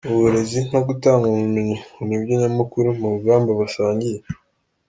Uburezi no gutanga ubumenyi ngo nibyo nyamukuru mu rugamba basangiye.